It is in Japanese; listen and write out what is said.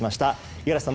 五十嵐さん